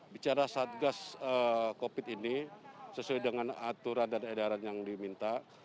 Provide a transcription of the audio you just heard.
bicara satgas covid ini sesuai dengan aturan dan edaran yang diminta